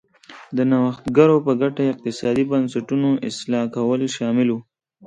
د نوښتګرو په ګټه اقتصادي بنسټونو اصلاح کول شامل و.